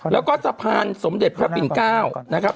แล้วก็สะพานสมเด็จพระปิ่น๙นะครับ